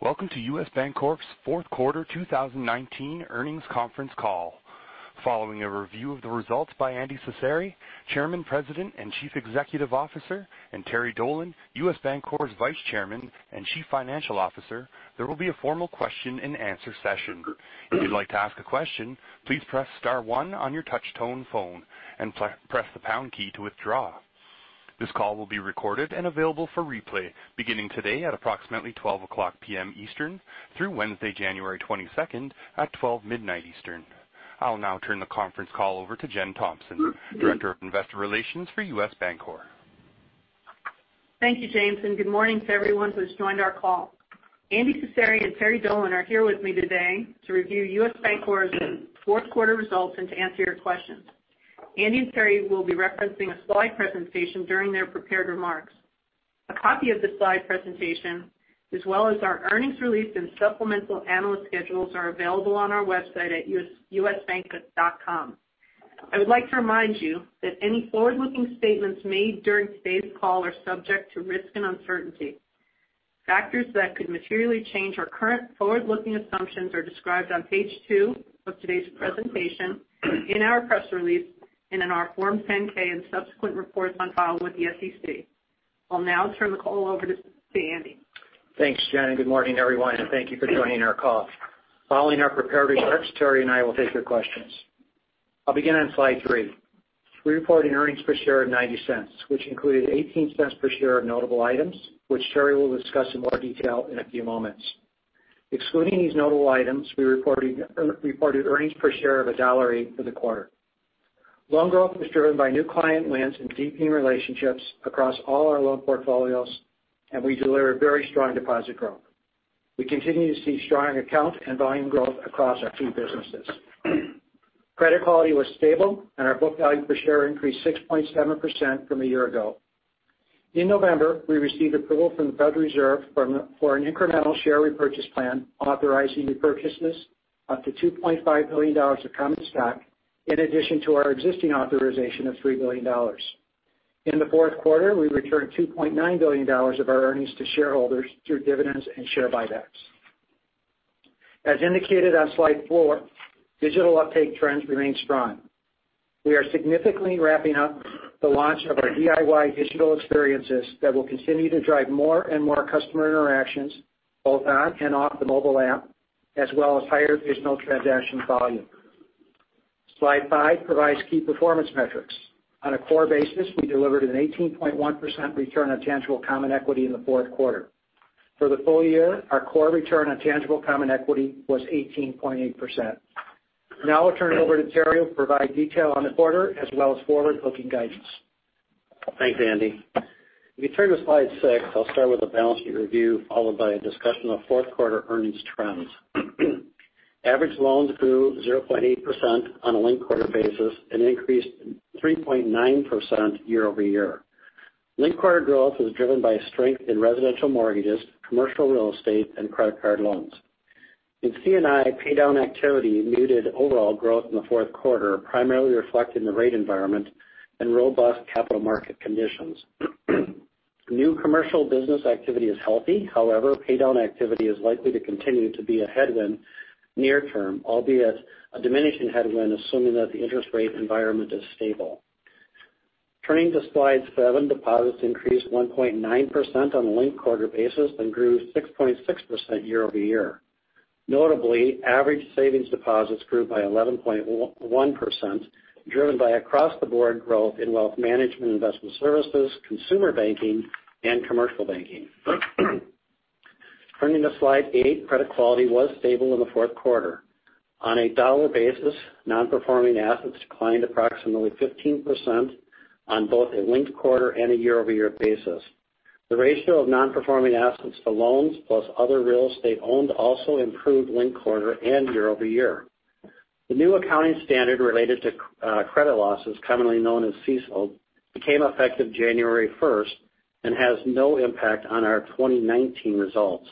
Welcome to U.S. Bancorp's fourth quarter 2019 earnings conference call. Following a review of the results by Andy Cecere, Chairman, President, and Chief Executive Officer, and Terry Dolan, U.S. Bancorp's Vice Chairman and Chief Financial Officer, there will be a formal question and answer session. If you'd like to ask a question, please press star one on your touch-tone phone and press the pound key to withdraw. This call will be recorded and available for replay, beginning today at approximately 12:00 P.M. Eastern through Wednesday, January 22nd at 12 midnight Eastern. I'll now turn the conference call over to Jen Thompson, Director of Investor Relations for U.S. Bancorp. Thank you, James, and good morning to everyone who's joined our call. Andy Cecere and Terry Dolan are here with me today to review U.S. Bancorp's fourth quarter results and to answer your questions. Andy and Terry will be referencing a slide presentation during their prepared remarks. A copy of the slide presentation, as well as our earnings release and supplemental analyst schedules, are available on our website at usbank.com. I would like to remind you that any forward-looking statements made during today's call are subject to risk and uncertainty. Factors that could materially change our current forward-looking assumptions are described on page two of today's presentation, in our press release, and in our Form 10-K and subsequent reports on file with the SEC. I'll now turn the call over to Andy. Thanks, Jen. Good morning, everyone, thank you for joining our call. Following our prepared remarks, Terry and I will take your questions. I'll begin on slide three. We reported earnings per share of $0.90, which included $0.18 per share of notable items, which Terry will discuss in more detail in a few moments. Excluding these notable items, we reported earnings per share of $1.08 for the quarter. Loan growth was driven by new client wins and deepening relationships across all our loan portfolios. We delivered very strong deposit growth. We continue to see strong account and volume growth across our two businesses. Credit quality was stable. Our book value per share increased 6.7% from a year ago. In November, we received approval from the Federal Reserve for an incremental share repurchase plan authorizing repurchases up to $2.5 billion of common stock, in addition to our existing authorization of $3 billion. In the fourth quarter, we returned $2.9 billion of our earnings to shareholders through dividends and share buybacks. As indicated on slide four, digital uptake trends remain strong. We are significantly ramping up the launch of our DIY digital experiences that will continue to drive more and more customer interactions, both on and off the mobile app, as well as higher digital transaction volume. Slide five provides key performance metrics. On a core basis, we delivered an 18.1% return on tangible common equity in the fourth quarter. For the full year, our core return on tangible common equity was 18.8%. Now I'll turn it over to Terry to provide detail on the quarter as well as forward-looking guidance. Thanks, Andy. If you turn to slide six, I'll start with a balance sheet review, followed by a discussion of fourth quarter earnings trends. Average loans grew 0.8% on a linked-quarter basis and increased 3.9% year-over-year. Linked-quarter growth was driven by strength in residential mortgages, commercial real estate, and credit card loans. In C&I, paydown activity muted overall growth in the fourth quarter, primarily reflecting the rate environment and robust capital market conditions. New commercial business activity is healthy. Paydown activity is likely to continue to be a headwind near term, albeit a diminishing headwind, assuming that the interest rate environment is stable. Turning to slide seven, deposits increased 1.9% on a linked-quarter basis and grew 6.6% year-over-year. Notably, average savings deposits grew by 11.1%, driven by across-the-board growth in wealth management investment services, consumer banking, and commercial banking. Turning to slide eight, credit quality was stable in the fourth quarter. On a dollar basis, non-performing assets declined approximately 15% on both a linked-quarter and a year-over-year basis. The ratio of non-performing assets to loans plus other real estate owned also improved linked-quarter and year-over-year. The new accounting standard related to credit losses, commonly known as CECL, became effective January 1st and has no impact on our 2019 results.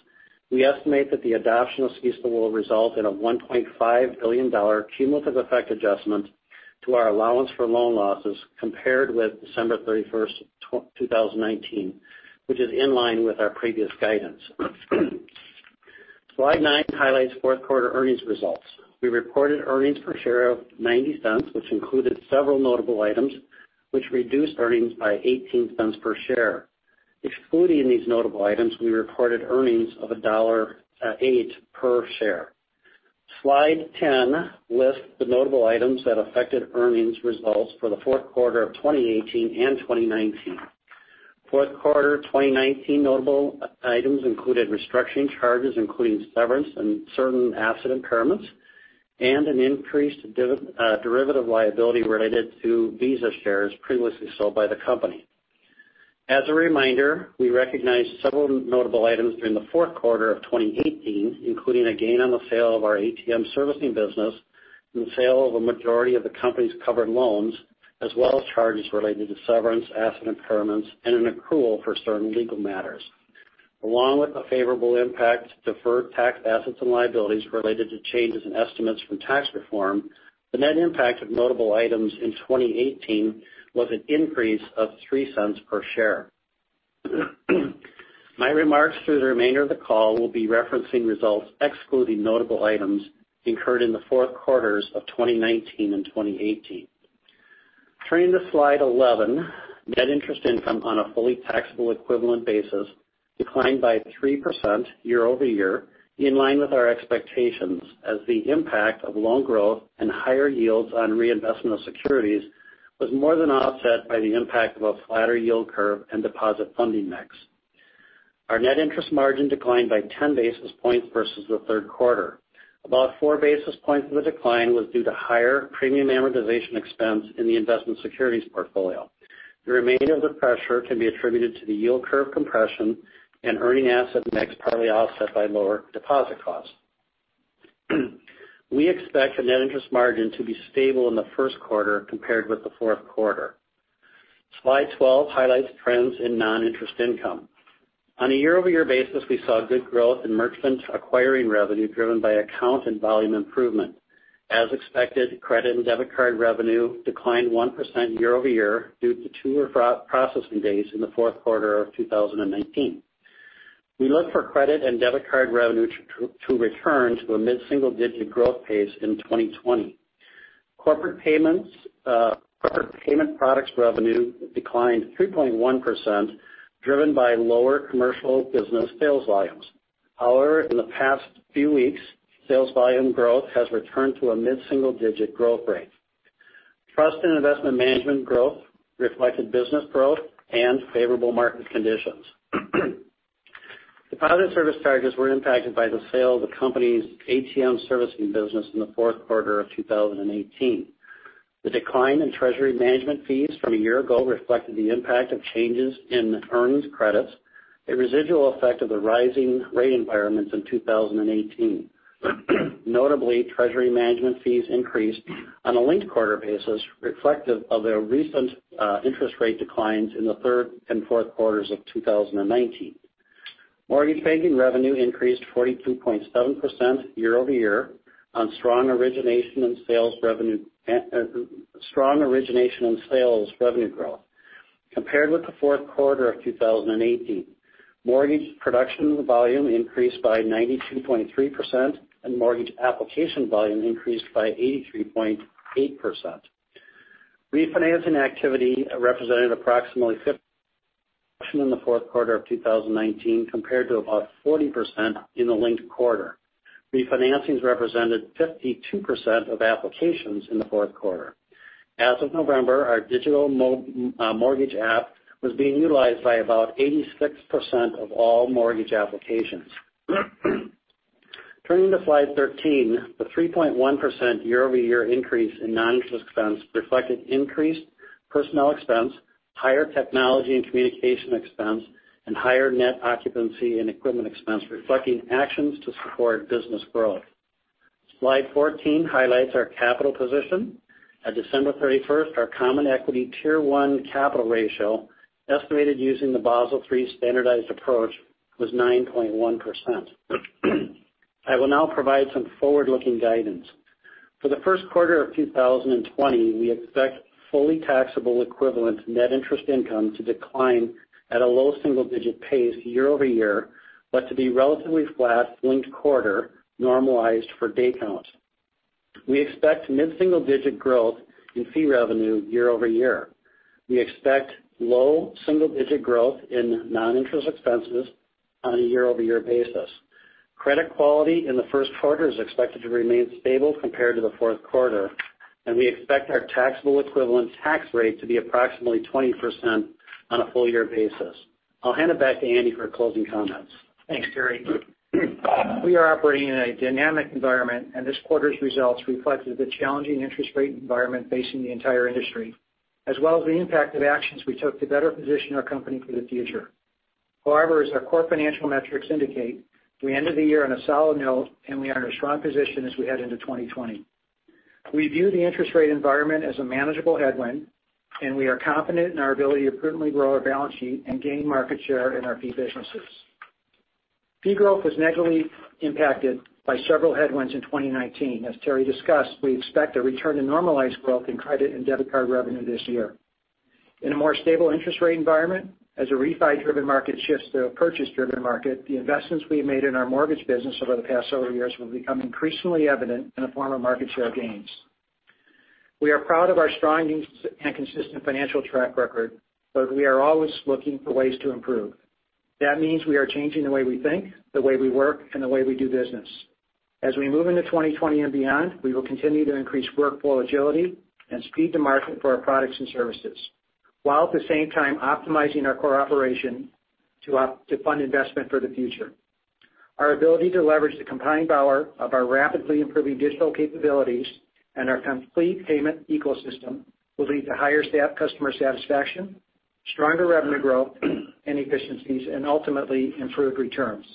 We estimate that the adoption of CECL will result in a $1.5 billion cumulative effect adjustment to our allowance for loan losses compared with December 31st, 2019, which is in line with our previous guidance. Slide nine highlights fourth quarter earnings results. We reported earnings per share of $0.90, which included several notable items, which reduced earnings by $0.18 per share. Excluding these notable items, we reported earnings of $1.08 per share. Slide 10 lists the notable items that affected earnings results for the fourth quarter of 2018 and 2019. Fourth quarter 2019 notable items included restructuring charges, including severance and certain asset impairments, and an increased derivative liability related to Visa shares previously sold by the company. As a reminder, we recognized several notable items during the fourth quarter of 2018, including a gain on the sale of our ATM servicing business and the sale of a majority of the company's covered loans, as well as charges related to severance, asset impairments, and an accrual for certain legal matters. Along with a favorable impact, deferred tax assets and liabilities related to changes in estimates from tax reform, the net impact of notable items in 2018 was an increase of $0.03 per share. My remarks through the remainder of the call will be referencing results excluding notable items incurred in the fourth quarters of 2019 and 2018. Turning to slide 11, net interest income on a fully taxable equivalent basis declined by 3% year-over-year, in line with our expectations, as the impact of loan growth and higher yields on reinvestment of securities was more than offset by the impact of a flatter yield curve and deposit funding mix. Our net interest margin declined by 10 basis points versus the third quarter. About four basis points of the decline was due to higher premium amortization expense in the investment securities portfolio. The remainder of the pressure can be attributed to the yield curve compression and earning asset mix partly offset by lower deposit costs. We expect the net interest margin to be stable in the first quarter compared with the fourth quarter. Slide 12 highlights trends in non-interest income. On a year-over-year basis, we saw good growth in merchant acquiring revenue driven by account and volume improvement. As expected, credit and debit card revenue declined 1% year-over-year due to two fewer processing days in the fourth quarter of 2019. We look for credit and debit card revenue to return to a mid-single-digit growth pace in 2020. Corporate Payment Products revenue declined 3.1%, driven by lower commercial business sales volumes. In the past few weeks, sales volume growth has returned to a mid-single-digit growth rate. Trust and investment management growth reflected business growth and favorable market conditions. Deposit service charges were impacted by the sale of the company's ATM servicing business in the fourth quarter of 2018. The decline in treasury management fees from a year ago reflected the impact of changes in earned credits, a residual effect of the rising rate environments in 2018. Notably, treasury management fees increased on a linked-quarter basis, reflective of the recent interest rate declines in the third and fourth quarters of 2019. Mortgage banking revenue increased 42.7% year over year on strong origination and sales revenue growth. Compared with the fourth quarter of 2018, mortgage production volume increased by 92.3%, and mortgage application volume increased by 83.8%. Refinancing activity represented approximately 50% in the fourth quarter of 2019 compared to about 40% in the linked quarter. Refinancings represented 52% of applications in the fourth quarter. As of November, our digital mortgage app was being utilized by about 86% of all mortgage applications. Turning to slide 13, the 3.1% year-over-year increase in non-interest expense reflected increased personnel expense, higher technology and communication expense, and higher net occupancy and equipment expense, reflecting actions to support business growth. Slide 14 highlights our capital position. On December 31st, our common equity Tier 1 capital ratio, estimated using the Basel III standardized approach, was 9.1%. I will now provide some forward-looking guidance. For the first quarter of 2020, we expect fully taxable equivalent net interest income to decline at a low single-digit pace year-over-year, but to be relatively flat linked quarter, normalized for day count. We expect mid-single-digit growth in fee revenue year-over-year. We expect low single-digit growth in non-interest expenses on a year-over-year basis. Credit quality in the first quarter is expected to remain stable compared to the fourth quarter, and we expect our taxable equivalent tax rate to be approximately 20% on a full-year basis. I'll hand it back to Andy for closing comments. Thanks, Terry. This quarter's results reflected the challenging interest rate environment facing the entire industry, as well as the impact of actions we took to better position our company for the future. However, as our core financial metrics indicate, we ended the year on a solid note, and we are in a strong position as we head into 2020. We view the interest rate environment as a manageable headwind, and we are confident in our ability to prudently grow our balance sheet and gain market share in our fee businesses. Fee growth was negatively impacted by several headwinds in 2019. As Terry discussed, we expect a return to normalized growth in credit and debit card revenue this year. In a more stable interest rate environment, as a refi-driven market shifts to a purchase-driven market, the investments we have made in our mortgage business over the past several years will become increasingly evident in the form of market share gains. We are proud of our strong and consistent financial track record, but we are always looking for ways to improve. That means we are changing the way we think, the way we work, and the way we do business. As we move into 2020 and beyond, we will continue to increase workflow agility and speed to market for our products and services, while at the same time optimizing our core operation to fund investment for the future. Our ability to leverage the combined power of our rapidly improving digital capabilities and our complete payment ecosystem will lead to higher customer satisfaction, stronger revenue growth and efficiencies, and ultimately, improved returns.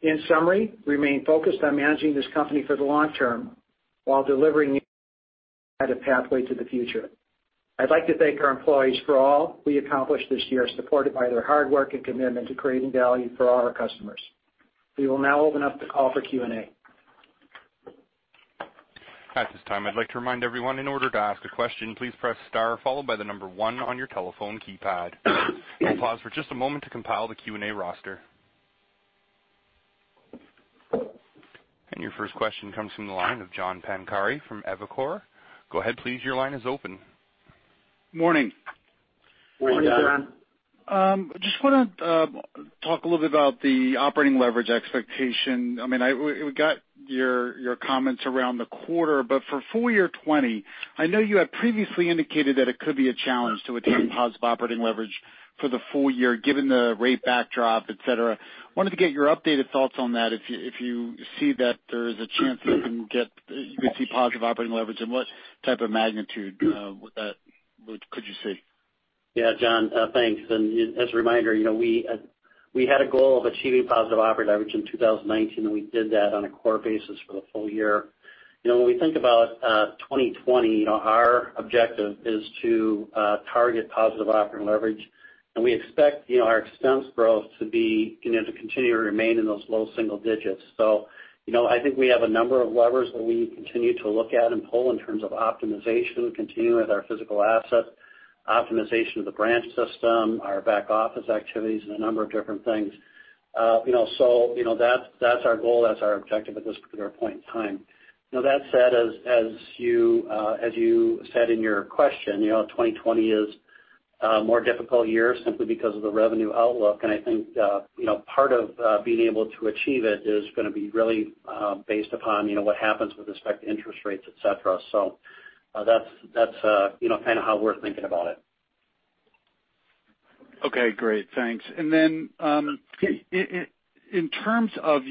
In summary, we remain focused on managing this company for the long term while delivering a pathway to the future. I'd like to thank our employees for all we accomplished this year, supported by their hard work and commitment to creating value for all our customers. We will now open up the call for Q&A. At this time, I'd like to remind everyone, in order to ask a question, please press star followed by the number 1 on your telephone keypad. We'll pause for just a moment to compile the Q&A roster. Your first question comes from the line of John Pancari from Evercore. Go ahead, please. Your line is open. Morning. Morning, John. Just want to talk a little bit about the operating leverage expectation. We got your comments around the quarter, but for full year 2020, I know you had previously indicated that it could be a challenge to attain positive operating leverage for the full year, given the rate backdrop, et cetera. Wanted to get your updated thoughts on that if you see that there is a chance you could see positive operating leverage, and what type of magnitude would that could you see? Yeah, John, thanks. As a reminder, we had a goal of achieving positive operating leverage in 2019, and we did that on a core basis for the full year. When we think about 2020, our objective is to target positive operating leverage, and we expect our expense growth to continue to remain in those low single digits. I think we have a number of levers that we continue to look at and pull in terms of optimization. We continue with our physical asset optimization of the branch system, our back office activities, and a number of different things. That's our goal. That's our objective at this particular point in time. Now, that said, as you said in your question, 2020 is a more difficult year simply because of the revenue outlook. I think part of being able to achieve it is going to be really based upon what happens with respect to interest rates, et cetera. That's kind of how we're thinking about it. Okay, great. Thanks. Then in terms of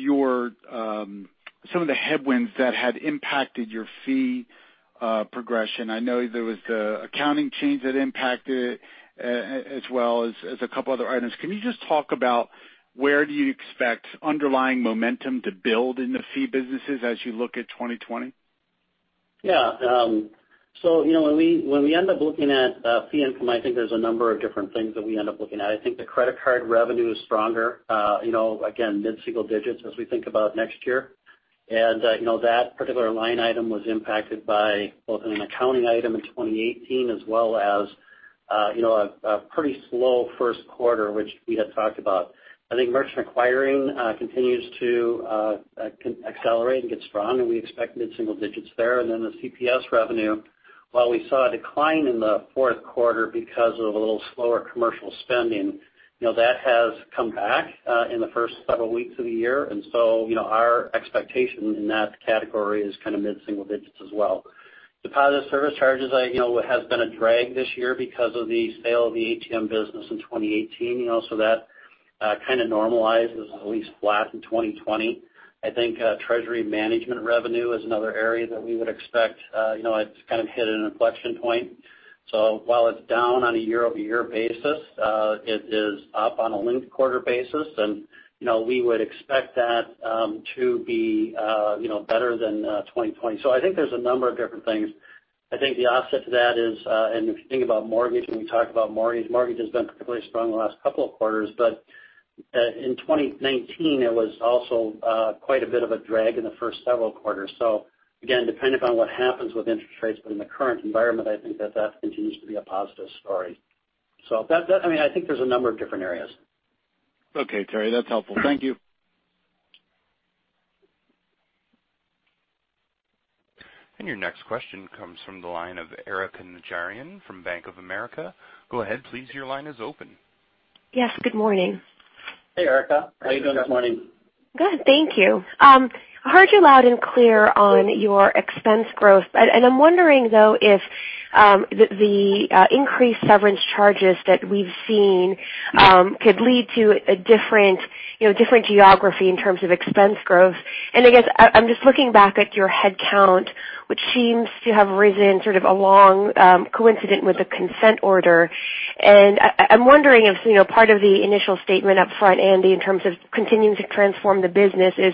some of the headwinds that had impacted your fee progression, I know there was accounting change that impacted it as well as a couple other items. Can you just talk about where do you expect underlying momentum to build in the fee businesses as you look at 2020? When we end up looking at fee income, I think there's a number of different things that we end up looking at. I think the credit card revenue is stronger again, mid-single digits as we think about next year. That particular line item was impacted by both an accounting item in 2018 as well as a pretty slow first quarter, which we had talked about. I think merchant acquiring continues to accelerate and get strong, and we expect mid-single digits there. The CPS revenue, while we saw a decline in the fourth quarter because of a little slower commercial spending, that has come back in the first several weeks of the year. Our expectation in that category is kind of mid-single digits as well. Deposit service charges has been a drag this year because of the sale of the ATM business in 2018. That kind of normalize is at least flat in 2020. I think treasury management revenue is another area that we would expect it's kind of hit an inflection point. While it's down on a year-over-year basis, it is up on a linked quarter basis. We would expect that to be better than 2020. I think there's a number of different things. I think the offset to that is and if you think about mortgage, and we talk about mortgage has been particularly strong the last couple of quarters. In 2019, it was also quite a bit of a drag in the first several quarters. Again, depending upon what happens with interest rates, but in the current environment, I think that continues to be a positive story. I think there's a number of different areas. Okay, Terry, that's helpful. Thank you. Your next question comes from the line of Erika Najarian from Bank of America. Go ahead, please. Your line is open. Yes, good morning. Hey, Erika. How you doing this morning? Good, thank you. I heard you loud and clear on your expense growth. I'm wondering, though, if the increased severance charges that we've seen could lead to a different geography in terms of expense growth. I guess I'm just looking back at your headcount, which seems to have risen sort of along coincident with the consent order. I'm wondering if part of the initial statement up front, Andy, in terms of continuing to transform the business is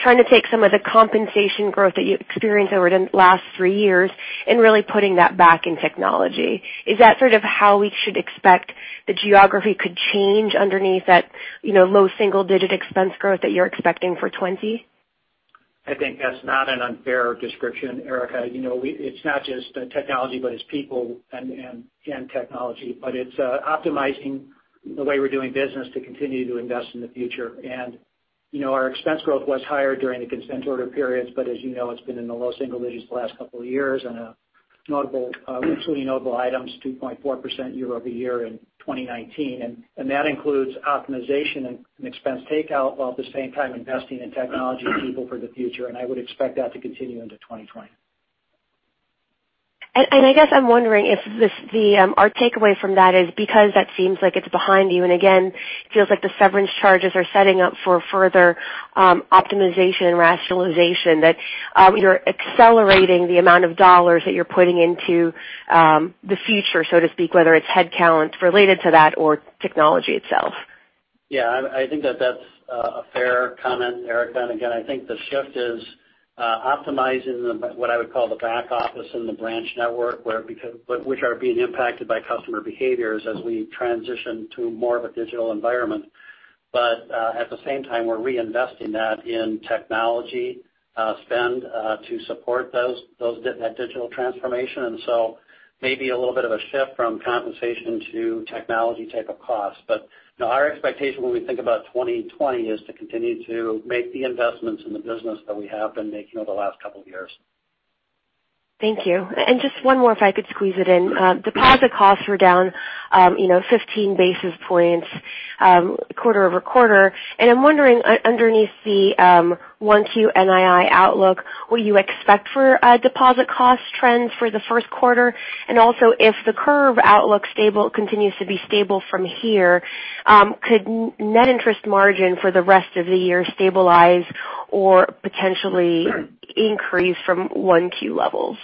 trying to take some of the compensation growth that you experienced over the last three years and really putting that back in technology. Is that sort of how we should expect the geography could change underneath that low single digit expense growth that you're expecting for 2020? I think that's not an unfair description, Erika. It's not just technology, but it's people and technology. It's optimizing the way we're doing business to continue to invest in the future. Our expense growth was higher during the consent order periods. As you know, it's been in the low single digits the last couple of years and including notable items, 2.4% year-over-year in 2019. That includes optimization and expense takeout, while at the same time investing in technology and people for the future. I would expect that to continue into 2020. I guess I'm wondering if our takeaway from that is because that seems like it's behind you, again, feels like the severance charges are setting up for further optimization and rationalization, that you're accelerating the amount of dollars that you're putting into the future, so to speak, whether it's headcount related to that or technology itself. Yeah, I think that's a fair comment, Erika. Again, I think the shift is optimizing what I would call the back office and the branch network which are being impacted by customer behaviors as we transition to more of a digital environment. At the same time, we're reinvesting that in technology spend to support that digital transformation. Maybe a little bit of a shift from compensation to technology type of cost. No, our expectation when we think about 2020 is to continue to make the investments in the business that we have been making over the last couple of years. Thank you. And just one more, if I could squeeze it in. Deposit costs were down 15 basis points quarter-over-quarter, and I'm wondering, underneath the 1Q NII outlook, what you expect for deposit cost trends for the first quarter, and also if the curve outlook continues to be stable from here, could net interest margin for the rest of the year stabilize or potentially increase from 1Q levels?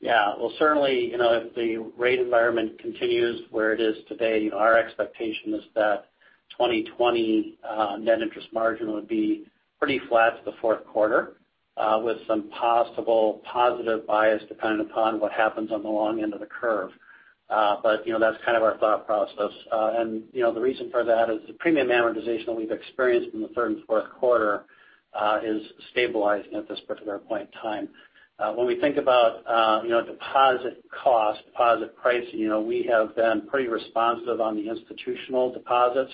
Yeah. Well, certainly, if the rate environment continues where it is today, our expectation is that 2020 net interest margin would be pretty flat to the fourth quarter with some possible positive bias, depending upon what happens on the long end of the curve. That's kind of our thought process. The reason for that is the premium amortization that we've experienced in the third and fourth quarter is stabilizing at this particular point in time. When we think about deposit cost, deposit pricing, we have been pretty responsive on the institutional deposits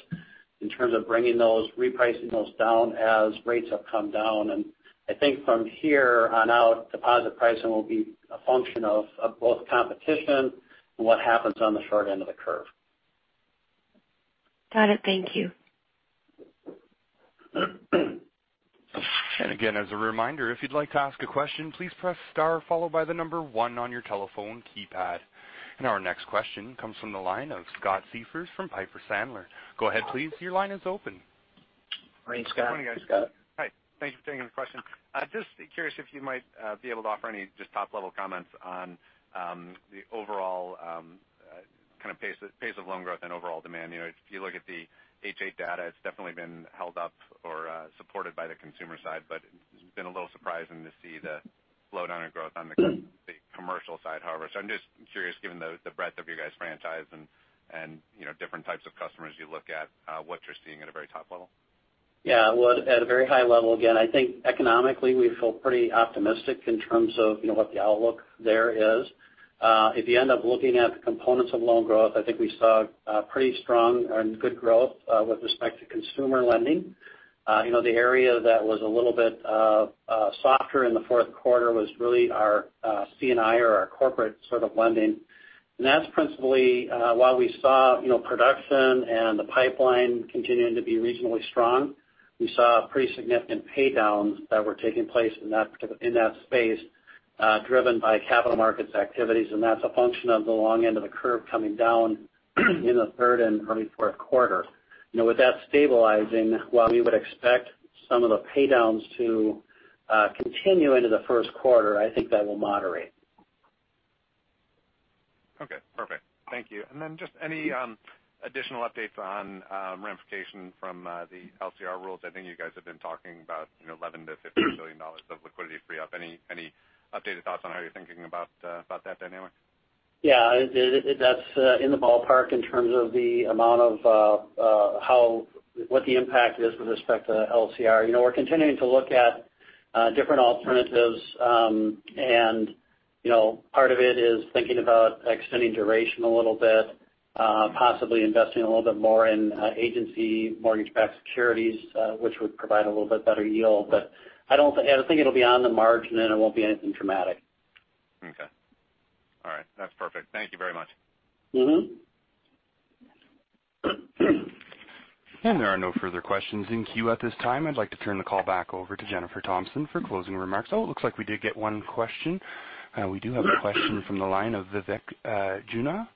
in terms of bringing those, repricing those down as rates have come down. I think from here on out, deposit pricing will be a function of both competition and what happens on the short end of the curve. Got it. Thank you. Again, as a reminder, if you'd like to ask a question, please press star followed by the number 1 on your telephone keypad. Our next question comes from the line of Scott Siefers from Piper Sandler. Go ahead, please. Your line is open. Morning, Scott. Morning, guys. Scott. Hi. Thank you for taking the question. Just curious if you might be able to offer any just top-level comments on the overall kind of pace of loan growth and overall demand. If you look at the Household data, it's definitely been held up or supported by the consumer side, but it's been a little surprising to see the slowdown in growth on the commercial side, however. I'm just curious, given the breadth of your guys' franchise and different types of customers you look at, what you're seeing at a very top level. Well, at a very high level, again, I think economically, we feel pretty optimistic in terms of what the outlook there is. If you end up looking at the components of loan growth, I think we saw pretty strong and good growth with respect to consumer lending. The area that was a little bit softer in the fourth quarter was really our C&I or our corporate sort of lending. That's principally while we saw production and the pipeline continuing to be reasonably strong. We saw pretty significant pay-downs that were taking place in that space driven by capital markets activities, and that's a function of the long end of the curve coming down in the third and early fourth quarter. With that stabilizing, while we would expect some of the pay-downs to continue into the first quarter, I think that will moderate. Okay. Perfect. Thank you. Just any additional updates on ramification from the LCR rules? I think you guys have been talking about $11 billion-$15 billion of liquidity free up. Any updated thoughts on how you're thinking about that dynamic? That's in the ballpark in terms of the amount of what the impact is with respect to LCR. We're continuing to look at different alternatives. Part of it is thinking about extending duration a little bit, possibly investing a little bit more in agency mortgage-backed securities, which would provide a little bit better yield. I think it'll be on the margin, and it won't be anything dramatic. Okay. All right. That's perfect. Thank you very much. There are no further questions in queue at this time. I'd like to turn the call back over to Jen Thompson for closing remarks. Oh, it looks like we did get one question. We do have a question from the line of Vivek Juneja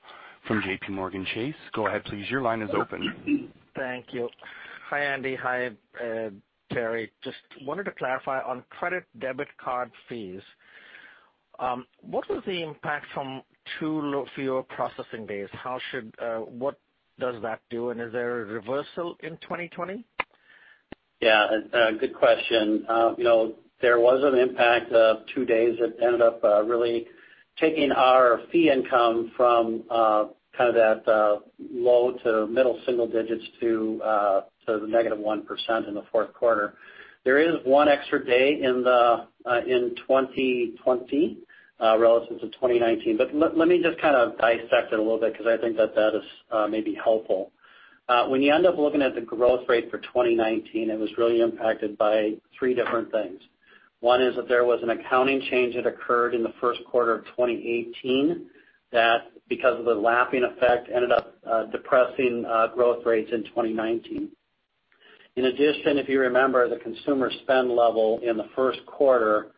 from JPMorgan Chase. Go ahead, please. Your line is open. Thank you. Hi, Andy. Hi, Terry. Just wanted to clarify on credit debit card fees. What was the impact from two fewer processing days? What does that do, and is there a reversal in 2020? Good question. There was an impact of 2 days that ended up really taking our fee income from kind of that low to middle single digits to the -1% in the fourth quarter. There is one extra day in 2020 relative to 2019. Let me just kind of dissect it a little bit because I think that that is maybe helpful. When you end up looking at the growth rate for 2019, it was really impacted by 3 different things. One is that there was an accounting change that occurred in the first quarter of 2018 that because of the lapping effect ended up depressing growth rates in 2019. In addition, if you remember, the consumer spend level in the first quarter was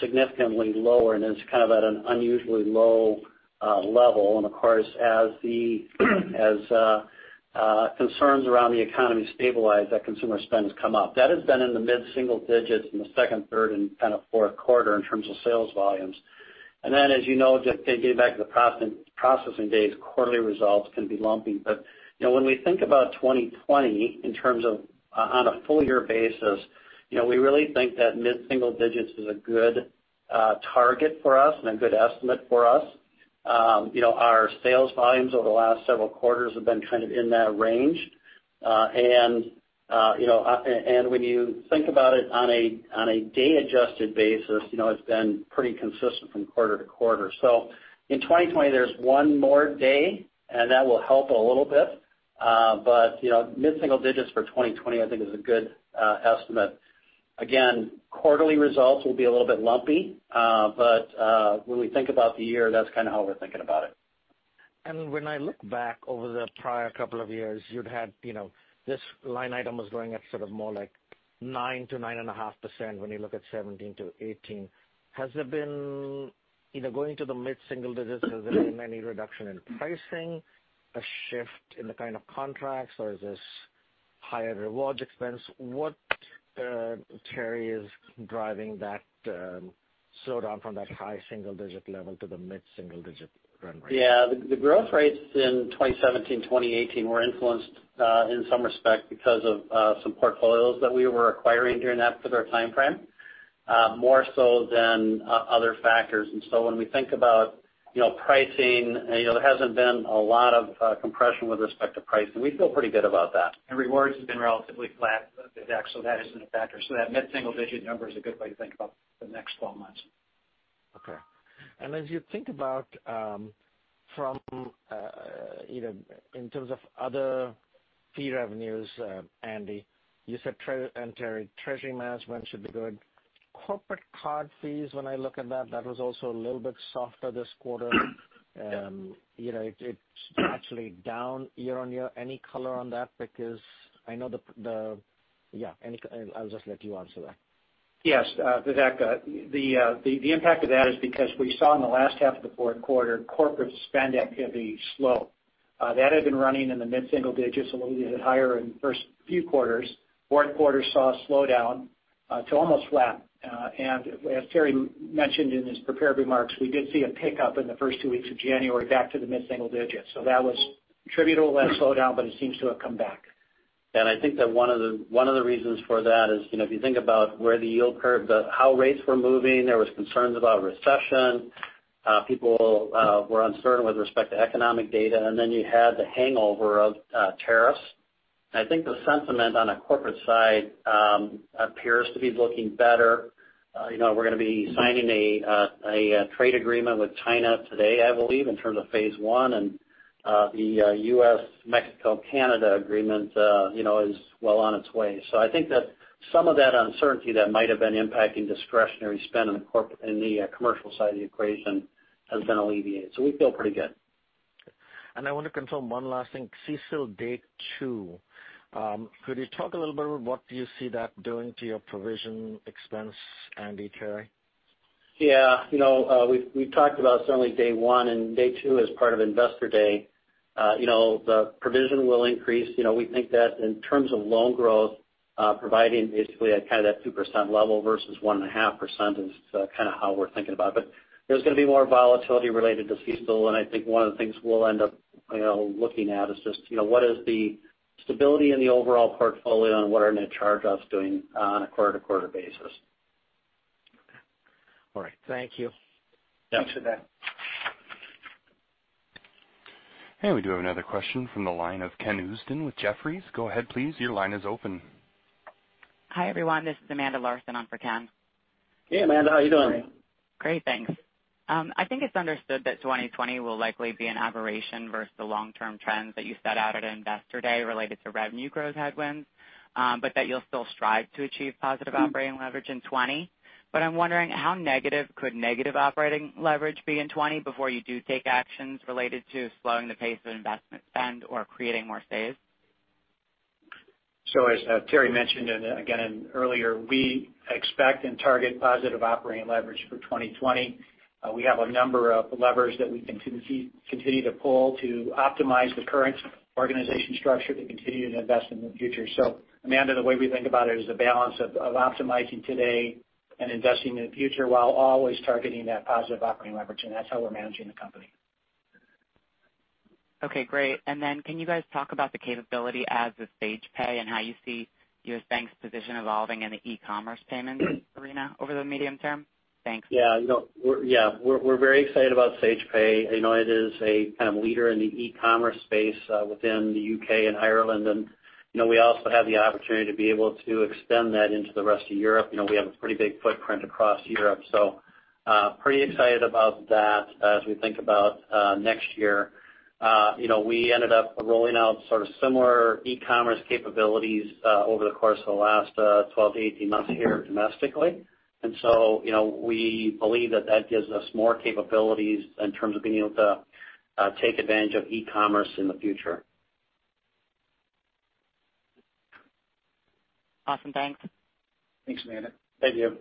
significantly lower and is kind of at an unusually low level. Of course, as concerns around the economy stabilize, that consumer spend has come up. That has been in the mid-single digits in the second, third, and kind of fourth quarter in terms of sales volumes. Then, as you know, just getting back to the processing days, quarterly results can be lumpy. When we think about 2020 in terms of on a full-year basis, we really think that mid-single digits is a good target for us and a good estimate for us. Our sales volumes over the last several quarters have been kind of in that range. When you think about it on a day-adjusted basis, it's been pretty consistent from quarter to quarter. In 2020, there's one more day, and that will help a little bit. Mid-single digits for 2020, I think is a good estimate. Again, quarterly results will be a little bit lumpy. When we think about the year, that's kind of how we're thinking about it. When I look back over the prior couple of years, this line item was growing at sort of more like 9%-9.5% when you look at 2017-2018. Going to the mid-single digits, has there been any reduction in pricing, a shift in the kind of contracts, or is this higher rewards expense? What, Terry, is driving that slowdown from that high single-digit level to the mid-single-digit run rate? The growth rates in 2017, 2018 were influenced, in some respect because of some portfolios that we were acquiring during that particular timeframe, more so than other factors. When we think about pricing, there hasn't been a lot of compression with respect to pricing. We feel pretty good about that. Rewards has been relatively flat, Vivek. That isn't a factor. That mid-single-digit number is a good way to think about the next 12 months. Okay. As you think about from, in terms of other fee revenues, Andy and Terry, you said treasury management should be good. Corporate card fees, when I look at that was also a little bit softer this quarter. Yeah. It's actually down year-over-year. Any color on that? I'll just let you answer that. Yes, Vivek. The impact of that is because we saw in the last half of the fourth quarter, corporate spend activity slowed. That had been running in the mid-single digits, a little bit higher in the first few quarters. Fourth quarter saw a slowdown to almost flat. As Terry mentioned in his prepared remarks, we did see a pickup in the first two weeks of January back to the mid-single digits. That was attributable to that slowdown, but it seems to have come back. I think that one of the reasons for that is, if you think about where the yield curve, how rates were moving, there was concerns about recession. People were uncertain with respect to economic data, and then you had the hangover of tariffs. I think the sentiment on the corporate side appears to be looking better. We're going to be signing a trade agreement with China today, I believe, in terms of phase one. The U.S., Mexico, Canada agreement is well on its way. I think that some of that uncertainty that might have been impacting discretionary spend in the commercial side of the equation has been alleviated. We feel pretty good. I want to confirm one last thing. CECL day two, could you talk a little bit what do you see that doing to your provision expense, Andy, Terry? Yeah. We've talked about certainly day one and day two as part of Investor Day. The provision will increase. We think that in terms of loan growth, providing basically at kind of that 2% level versus 1.5% is kind of how we're thinking about it. There's going to be more volatility related to CECL, and I think one of the things we'll end up looking at is just what is the stability in the overall portfolio and what are net charge-offs doing on a quarter-to-quarter basis? Okay. All right. Thank you. Yeah. Thanks, Vivek. We do have another question from the line of Ken Usdin with Jefferies. Go ahead, please. Your line is open. Hi, everyone. This is Amanda Larsen on for Ken. Hey, Amanda. How are you doing? Great, thanks. I think it's understood that 2020 will likely be an aberration versus the long-term trends that you set out at Investor Day related to revenue growth headwinds. That you'll still strive to achieve positive operating leverage in 2020. I'm wondering how negative could negative operating leverage be in 2020 before you do take actions related to slowing the pace of investment spend or creating more saves? As Terry mentioned again earlier, we expect and target positive operating leverage for 2020. We have a number of levers that we can continue to pull to optimize the current organization structure to continue to invest in the future. Amanda, the way we think about it is the balance of optimizing today and investing in the future while always targeting that positive operating leverage, and that's how we're managing the company. Okay, great. Can you guys talk about the capability as of Sage Pay and how you see U.S. Bank's position evolving in the e-commerce payments arena over the medium term? Thanks. Yeah. We're very excited about Sage Pay. It is a kind of leader in the e-commerce space within the U.K. and Ireland, and we also have the opportunity to be able to extend that into the rest of Europe. We have a pretty big footprint across Europe, so pretty excited about that as we think about next year. We ended up rolling out sort of similar e-commerce capabilities over the course of the last 12-18 months here domestically. We believe that that gives us more capabilities in terms of being able to take advantage of e-commerce in the future. Awesome. Thanks. Thanks, Amanda. Thank you.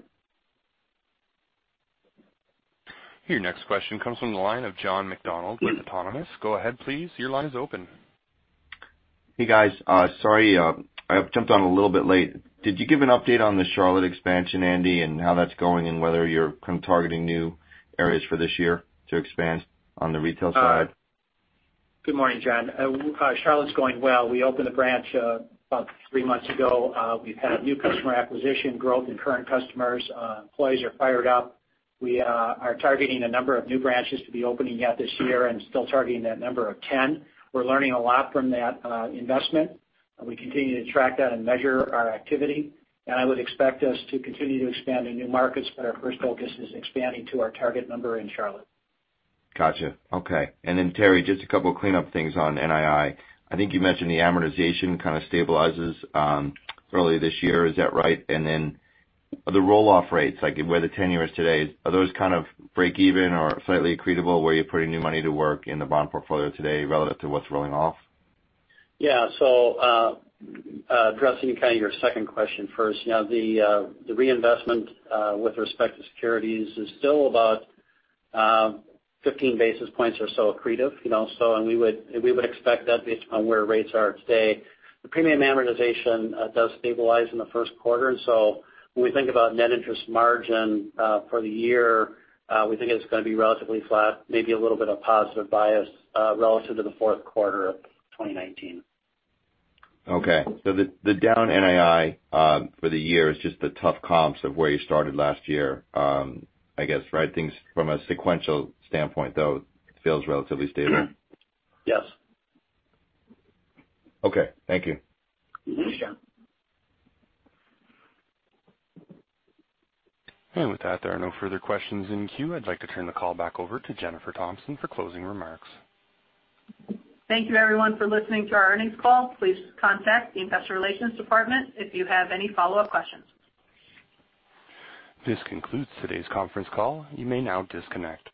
Your next question comes from the line of John McDonald with Autonomous. Go ahead, please. Your line is open. Hey, guys. Sorry, I jumped on a little bit late. Did you give an update on the Charlotte expansion, Andy, and how that's going and whether you're kind of targeting new areas for this year to expand on the retail side? Good morning, John. Charlotte's going well. We opened a branch about three months ago. We've had new customer acquisition growth and current customers. Employees are fired up. We are targeting a number of new branches to be opening yet this year and still targeting that number of 10. We're learning a lot from that investment. We continue to track that and measure our activity. I would expect us to continue to expand in new markets, but our first focus is expanding to our target number in Charlotte. Got you. Okay. Terry, just a couple clean-up things on NII. I think you mentioned the amortization kind of stabilizes early this year. Is that right? The roll-off rates, like where the 10-year is today, are those kind of break even or slightly accretive where you're putting new money to work in the bond portfolio today relative to what's rolling off? Yeah. Addressing kind of your second question first. The reinvestment with respect to securities is still about 15 basis points or so accretive. We would expect that based on where rates are today. The premium amortization does stabilize in the first quarter. When we think about net interest margin for the year, we think it's going to be relatively flat, maybe a little bit of positive bias relative to the fourth quarter of 2019. Okay. The down NII for the year is just the tough comps of where you started last year, I guess, right? Things from a sequential standpoint, though, feels relatively stable. Yes. Okay. Thank you. Sure. With that, there are no further questions in queue. I'd like to turn the call back over to Jen Thompson for closing remarks. Thank you everyone for listening to our earnings call. Please contact the investor relations department if you have any follow-up questions. This concludes today's conference call. You may now disconnect.